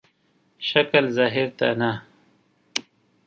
شکل ظاهر ته نه.